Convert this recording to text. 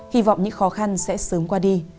hy vọng những khó khăn sẽ sớm qua đi